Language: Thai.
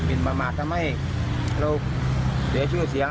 ประมาททำให้เราเสียชื่อเสียง